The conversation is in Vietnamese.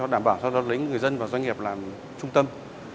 đảm bảo doanh nghiệp làm trung tâm